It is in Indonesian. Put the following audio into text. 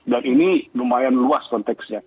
dan ini lumayan luas konteksnya